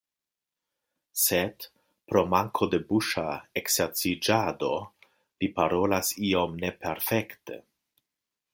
Sed, pro manko de buŝa ekzerciĝado, li parolas iom neperfekte.